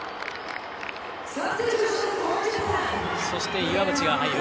そして岩渕が入る。